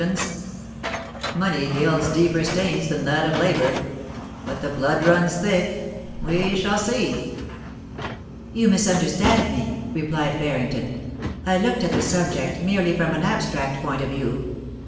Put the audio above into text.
i68 POLICY AND PASSION. Money gilds deeper stains than that of labour. But the blood runs thick. We shall see.' * You misunderstand me,* replied Barrington, * I looked at the subject merely from an abstract point of view.